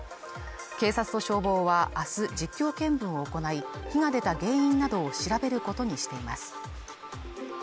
警察と消防はあす実況見分を行い火が出た原因などを調べることにしています